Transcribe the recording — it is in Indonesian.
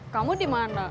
kamu di mana